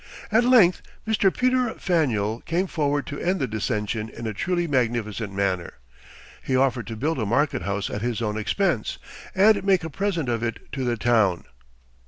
At length Mr. Peter Faneuil came forward to end the dissension in a truly magnificent manner. He offered to build a market house at his own expense, and make a present of it to the town.